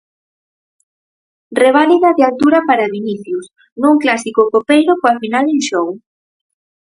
Reválida de altura para Vinicius nun clásico copeiro coa final en xogo.